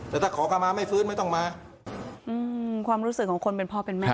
แต่ถ้าขอเข้ามาไม่ฟื้นไม่ต้องมาอืมความรู้สึกของคนเป็นพ่อเป็นแม่